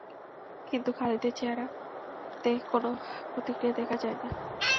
কিন্তু খালিদের চেহারাতে কোন প্রতিক্রিয়া দেখা যায় না।